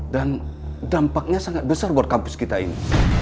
dan dampaknya sangat besar buat kampus kita ini